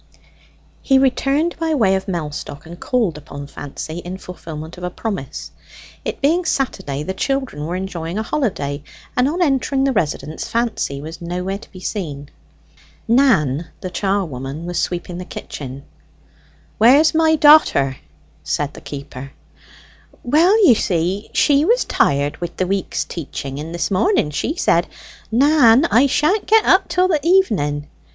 He returned by way of Mellstock, and called upon Fancy, in fulfilment of a promise. It being Saturday, the children were enjoying a holiday, and on entering the residence Fancy was nowhere to be seen. Nan, the charwoman, was sweeping the kitchen. "Where's my da'ter?" said the keeper. "Well, you see she was tired with the week's teaching, and this morning she said, 'Nan, I sha'n't get up till the evening.'